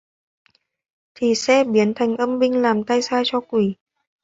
Thì sẽ biến thành âm binh làm tay sai cho quỷ